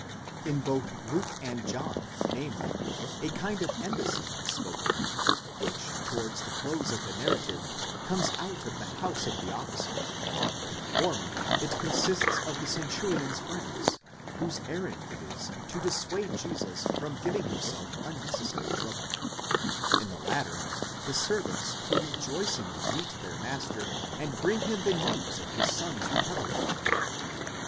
In both Luke and John, namely, a kind of embassy is spoken of, which towards: the close of the narrative comes out of the house of the officer ; in the former it consists of the centurion's friends, whose errand it is to dissuade Jesus from giving himself unnecessary trouble; in the latter, of servants who rejoicingly meet their master and bring him the news of his son's recovery.